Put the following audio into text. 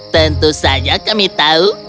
tentu saja kami tahu